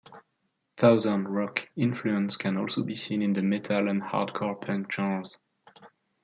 Southern rock influence can also be seen in the metal and hardcore punk genres.